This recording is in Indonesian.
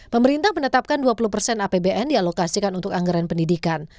pemerintah menetapkan dua puluh persen apbn dialokasikan untuk anggaran pendidikan